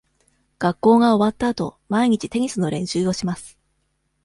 学校が終わったあと、毎日テニスの練習をします。